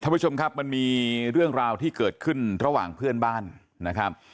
ผู้ชมครับมันมีเรื่องราวที่เกิดขึ้นระหว่างเพื่อนบ้านนะครับ